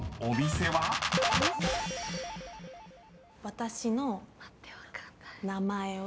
「私の名前は」